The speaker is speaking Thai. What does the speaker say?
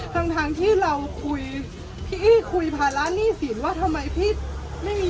ทั้งทั้งที่เราคุยพี่อี้คุยภาระหนี้สินว่าทำไมพี่ไม่มี